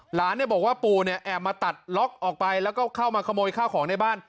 หลานเนี่ยบอกว่าปู่เนี่ยแอบมาตัดล็อกออกไปแล้วก็เข้ามาขโมยข้าวของในบ้าน